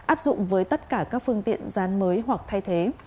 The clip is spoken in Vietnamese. áp dụng với tất cả các phương tiện dán mới hoặc thay thế